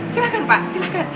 silahkan pak silahkan